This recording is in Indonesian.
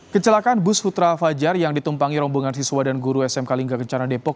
kecelakaan bus putra fajar yang ditumpangi rombongan siswa dan guru smk lingga kencana depok